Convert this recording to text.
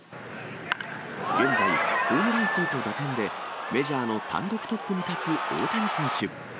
現在、ホームラン数と打点で、メジャーの単独トップに立つ大谷選手。